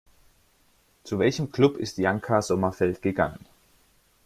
Zu welchem Club ist Janka Sommerfeld gegangen?